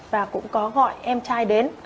và cũng có gọi em trai đến